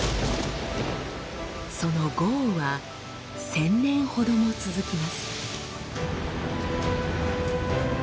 その豪雨は１，０００年ほども続きます。